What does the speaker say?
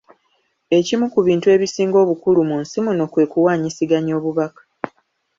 Ekimu ku bintu ebisinga obukulu mu nsi muno kwe kuwaanyisiganya obubaka.